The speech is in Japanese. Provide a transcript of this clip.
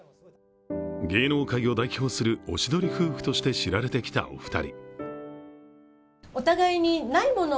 芸能界を代表するおしどり夫婦として知られてきたお二人。